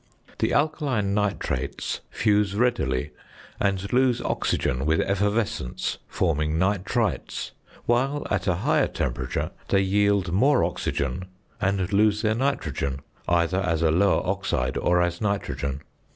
The alkaline nitrates fuse readily, and lose oxygen with effervescence forming nitrites; while at a higher temperature they yield more oxygen and lose their nitrogen, either as a lower oxide or as nitrogen.